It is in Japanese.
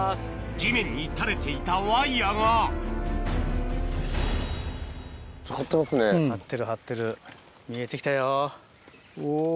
地面に垂れていたワイヤが張ってる張ってる見えてきたよ。